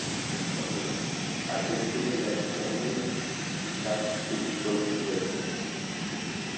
কলকাতা শহর আগের তুলনায় অনেক সাফসুতরো হয়েছে।